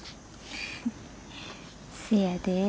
せやで。